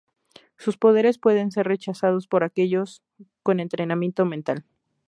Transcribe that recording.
Sus poderes pueden ser rechazados por aquellos con entrenamiento mental.